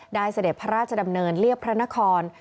เสด็จพระราชดำเนินเรียบพระนคร